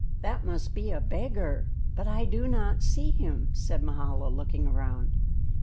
"That must be a beggar, but I do not see him," said Mahala, looking around.